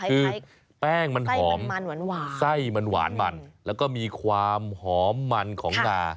คือแป้งมันหอมไส้มันหวานมันแล้วก็มีความหอมมันของงา